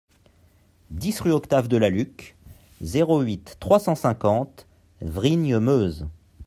dix rue Octave Delalucque, zéro huit, trois cent cinquante, Vrigne-Meuse